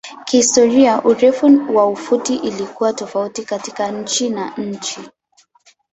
Kihistoria urefu wa futi ilikuwa tofauti kati nchi na nchi.